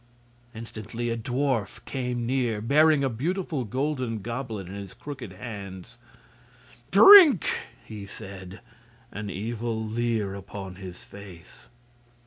Instantly a dwarf came near, bearing a beautiful golden goblet in his crooked hands. "Drink!" he said, an evil leer upon his face.